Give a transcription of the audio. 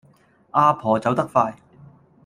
呀婆走得快